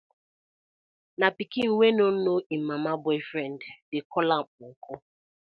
Na pikin wey no know im mama boyfriend dey call am uncle.